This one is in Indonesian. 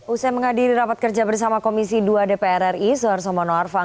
usai menghadiri rapat kerja bersama komisi dua dpr ri soeharto mano arfa